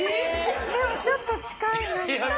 でもちょっと近いなんか。